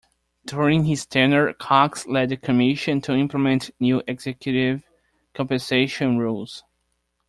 During his tenure, Cox led the Commission to implement new executive compensation rules.